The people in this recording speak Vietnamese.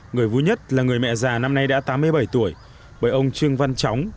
người vui nhất là người mẹ già năm nay đã tám mươi bảy tuổi bởi ông trương văn tróng